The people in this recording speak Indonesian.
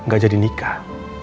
gak jadi nikah